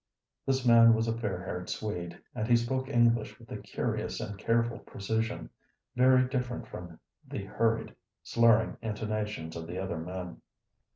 This man was a fair haired Swede, and he spoke English with a curious and careful precision, very different from the hurried, slurring intonations of the other men.